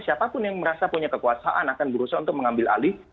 siapapun yang merasa punya kekuasaan akan berusaha untuk mengambil alih